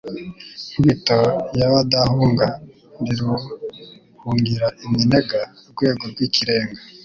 Nkubito y'abadahunga, ndi Ruhungira iminega, Rwego rw'ikirenga;